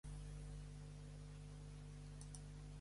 És freqüent l'ús dels termes mastí i dog com a sinònims de molós.